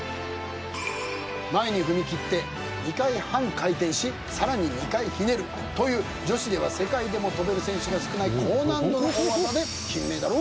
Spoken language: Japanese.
前に踏み切って２回半回転しさらに２回ひねるという女子では世界でも飛べる選手が少ない高難度の大技で金メダルを狙います。